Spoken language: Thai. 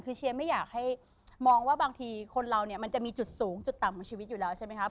คือเชียร์ไม่อยากให้มองว่าบางทีคนเราเนี่ยมันจะมีจุดสูงจุดต่ำของชีวิตอยู่แล้วใช่ไหมครับ